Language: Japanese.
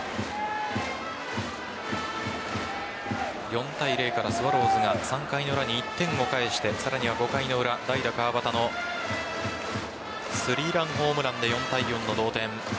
４対０からスワローズが３回の裏に１点を返して５回の裏、代打・川端の３ランホームランで４対４の同点。